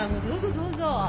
どうぞどうぞ！